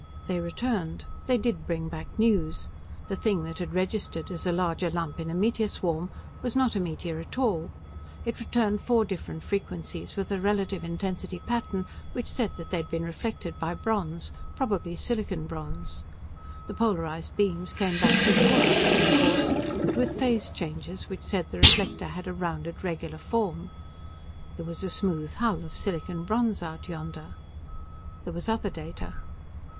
They returned. They did bring back news. The thing that had registered as a larger lump in a meteor swarm was not a meteor at all. It returned four different frequencies with a relative intensity pattern which said that they'd been reflected by bronze probably silicon bronze. The polarized beams came back depolarized, of course, but with phase changes which said the reflector had a rounded, regular form. There was a smooth hull of silicon bronze out yonder. There was other data.